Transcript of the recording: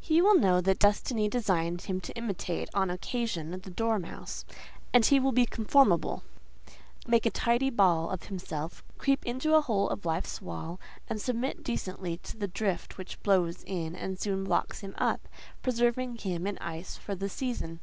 He will know that Destiny designed him to imitate, on occasion, the dormouse, and he will be conformable: make a tidy ball of himself, creep into a hole of life's wall, and submit decently to the drift which blows in and soon blocks him up, preserving him in ice for the season.